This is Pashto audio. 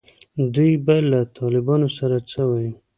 دوی به له طالبانو سره څه وایي.